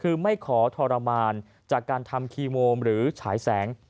คือไม่ขอทรมานจากการทำคีโมมหรือฉายแสง